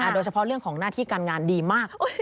โดยเฉพาะเรื่องของหน้าที่การงานดีมาก